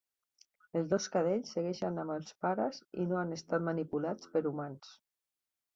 Els dos cadells segueixen amb els pares i no han estat manipulats per humans.